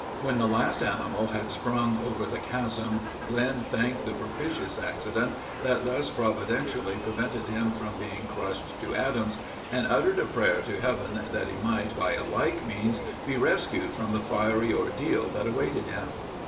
When the last animal had sprung over the chasm, Glenn thanked the propitious accident that thus providentially prevented him from being crushed to atoms, and uttered a prayer to Heaven that he might by a like means be rescued from the fiery ordeal that awaited him.